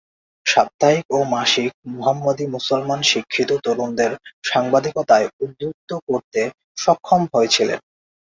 সাপ্তাহিক ও মাসিক মোহাম্মদী মুসলমান শিক্ষিত তরুণদের সাংবাদিকতায় উদ্বুদ্ধ করতে সক্ষম হয়েছিল।